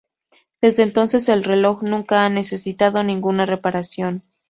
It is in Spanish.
Desde entonces, el reloj nunca ha necesitado ninguna reparación.